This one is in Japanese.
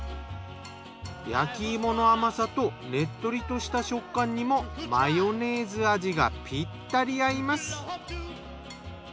焼き芋の甘さとねっとりとした食感にもマヨネーズ味がピッタリ合います。